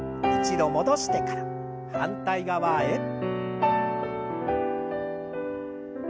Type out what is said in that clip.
一度戻してから反対側へ。